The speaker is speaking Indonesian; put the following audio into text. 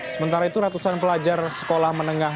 sementara itu ratusan pelajar sekolah menengah